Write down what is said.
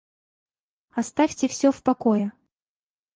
Оставьте всё в покое!